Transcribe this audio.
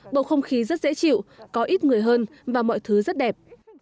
bầu không khí rất dễ chịu có ít người hơn và mọi thứ rất đẹp